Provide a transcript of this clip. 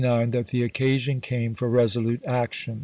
It was in 1889 that the occasion came for resolute action.